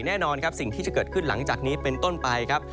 แน่นอนครับสิ่งที่จะเกิดขึ้นหลังจากนี้เป็นต้นไปครับ